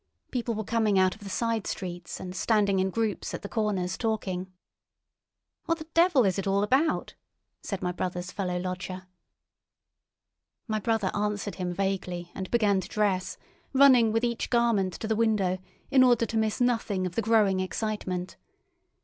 People were coming out of the side streets, and standing in groups at the corners talking. "What the devil is it all about?" said my brother's fellow lodger. My brother answered him vaguely and began to dress, running with each garment to the window in order to miss nothing of the growing excitement.